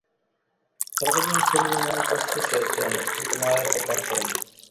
সারাটা জীবন শরীর ও মনের কষ্ট সয়েছি অনেক, কিন্তু মায়ের অপার করুণা।